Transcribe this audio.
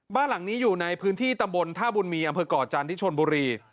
บ้านหลังนี้อยู่ในพื้นที่ตำบลท่าบุญมีอำเภอก่อจันทร์ที่ชนบุรี